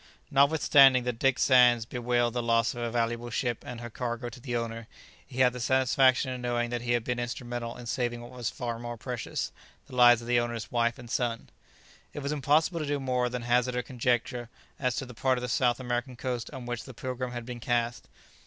Notwithstanding that Dick Sands bewailed the loss of a valuable ship and her cargo to the owner, he had the satisfaction of knowing that he had been instrumental in saving what was far more precious, the lives of the owner's wife and son. It was impossible to do more than hazard a conjecture as to the part of the South American coast on which the "Pilgrim" had been cast.